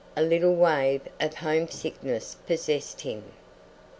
A little wave of homesickness possessed him.